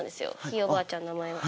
ひいおばあちゃんの名前が。